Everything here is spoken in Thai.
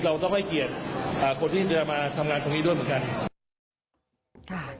เราต้องให้เกียรติคนที่จะมาทำงานตรงนี้ด้วยเหมือนกัน